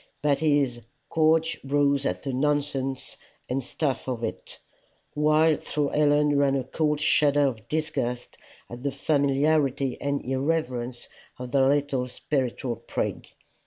But his "gorge rose at the nonsense and stuff of it," while through Helen ran a cold shudder of disgust at the familiarity and irreverence of the little spiritual prig.